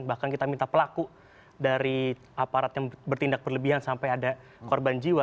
bahkan kita minta pelaku dari aparat yang bertindak berlebihan sampai ada korban jiwa